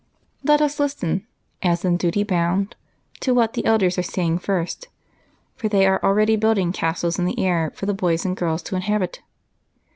Let us listen, as in duty bound, to what the elders are saying first, for they are already building castles in air for the boys and girls to inhabit.